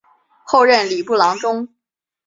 后任礼部郎中。